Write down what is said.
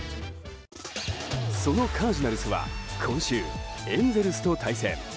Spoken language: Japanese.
そのカージナルスは今週、エンゼルスと対戦。